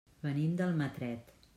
Venim d'Almatret.